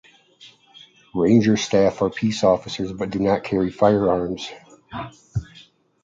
Ranger staff are peace officers but do not carry firearms.